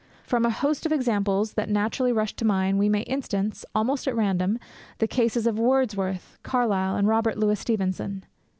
From a host of examples that naturally rush to mind we may instance, almost at random, the cases of Wordsworth, Carlyle, and Robert Louis Stevenson.